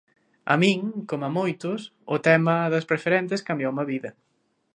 A min, como a moitos, o tema das preferentes cambioume a vida.